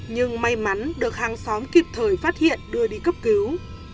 nhưng may mắn được hàng xóm kịp thời phát hiện đưa đi cấp cứu